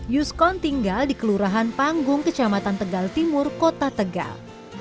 yuskon tinggal di kelurahan panggung kecamatan tegal timur kota tegal